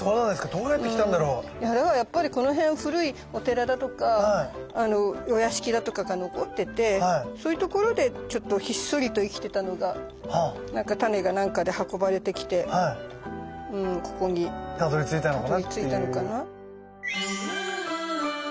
どうやって来たんだろう？だからやっぱりこの辺古いお寺だとかお屋敷だとかが残っててそういう所でひっそりと生きてたのがタネが何かで運ばれてきてここにたどりついたのかな。